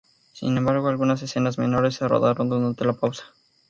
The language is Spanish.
Sin embargo, algunas escenas menores se rodaron durante la pausa.